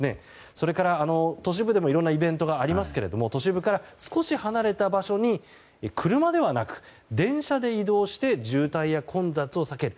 それから、都市部でもいろんなイベントがありますけれども都市部から少し離れた場所に車ではなく、電車で移動して渋滞や混雑を避ける。